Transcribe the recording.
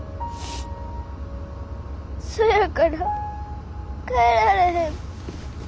そやから帰られへん。